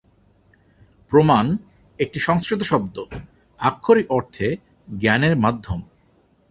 প্রমান, একটি সংস্কৃত শব্দ, আক্ষরিক অর্থে "জ্ঞানের মাধ্যম"।